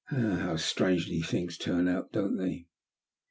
How strangely things turn out, don't they?"